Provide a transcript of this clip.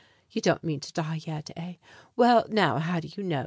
You don't mean to die yet, eh? Well, now, how do you know?